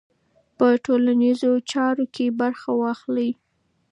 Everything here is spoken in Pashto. په ټولنیزو چارو کې برخه واخلئ.